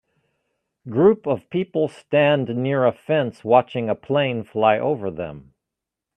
Group of people stand near a fence watching a plane fly over them